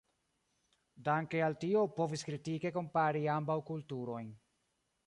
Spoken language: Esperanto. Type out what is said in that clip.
Danke al tio povis kritike kompari ambaŭ kulturojn.